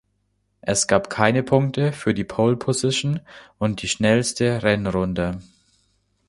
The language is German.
Es gab keine Punkte für die Poleposition und die schnellste Rennrunde.